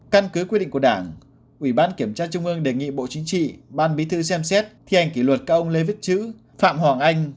căn cứ quy định của đảng ủy ban kiểm tra trung ương đề nghị bộ chính trị ban bí thư xem xét thi hành kỷ luật các ông lê viết chữ phạm hoàng anh